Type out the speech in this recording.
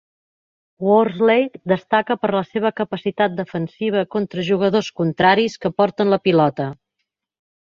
Worsley destaca per la seva capacitat defensiva contra jugadors contraris que porten la pilota.